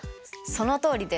そのとおりです。